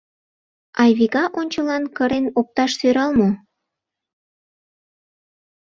Айвика ончылан кырен опташ сӧрал мо?